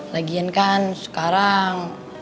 lagian kan sekarang